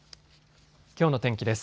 きょうの天気です。